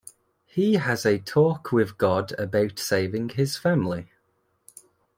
He has a talk with God about saving his family.